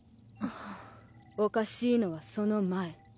おかしいのはその前。